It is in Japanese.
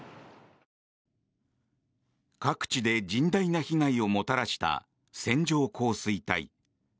各地で甚大な被害をもたらした線状降水帯。